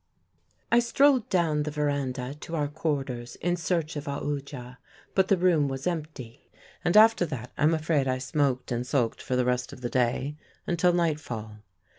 "I strolled down the verandah to our quarters in search of Aoodya, but the room was empty; and after that I'm afraid I smoked and sulked for the rest of the day, until nightfall.